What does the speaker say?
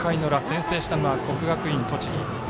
先制したのは国学院栃木。